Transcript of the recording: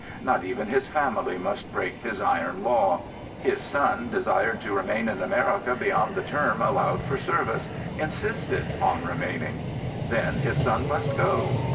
Not even his family must break his iron law. His son desired to remain in America beyond the term allowed for service — insisted on remaining. Then his son must go.